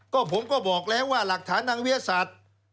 ก็ผมก็บอกแล้วว่าหลักฐานทางวิทยาศาสตร์